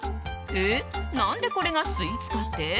え、何でこれがスイーツかって？